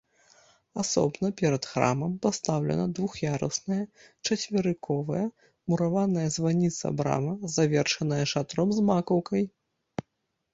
Асобна перад храмам пастаўлена двух'ярусная чацверыковая мураваная званіца-брама, завершаная шатром з макаўкай.